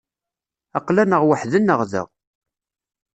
Aql-aneɣ weḥd-neɣ da.